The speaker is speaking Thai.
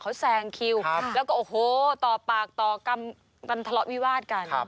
เขาแซงคิวครับแล้วก็โอ้โหต่อปากต่อกำตำทะเลาะวิวาดกันครับ